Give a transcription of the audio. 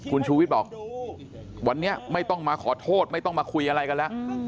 คุณชูวิทย์บอกวันนี้ไม่ต้องมาขอโทษไม่ต้องมาคุยอะไรกันแล้ว